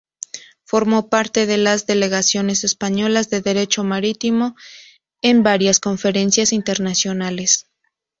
Formó parte de las delegaciones españolas de Derecho Marítimo en varias conferencias internacionales.